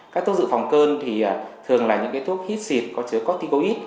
các thuốc dự phòng cơn thì thường là những thuốc hít xịt có chứa corticoid